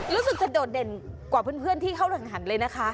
รู้สึกจะโดดเด่นกว่าเพื่อนที่เข้าแข่งขันเลยนะคะ